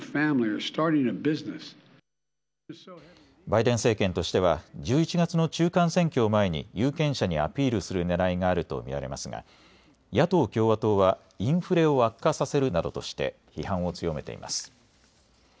バイデン政権としては１１月の中間選挙を前に有権者にアピールするねらいがあると見られますが野党共和党はインフレを悪化させるなどとして批判を強めています。